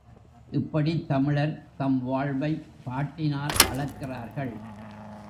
இப்படித் தமிழர் தம் வாழ்வைப் பாட்டினால் அளக்கிறார்கள்.